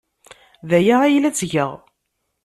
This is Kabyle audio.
D aya ay la ttgeɣ.